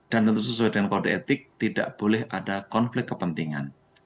dan tentu sesuai dengan kode etik tidak boleh ada konflik kepentingan